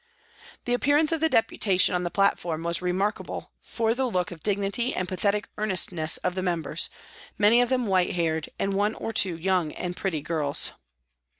The appearance of the Deputation on the plat form was remarkable for the look of dignity and pathetic earnestness of the members, many of them white haired, and one or two young and pretty girls.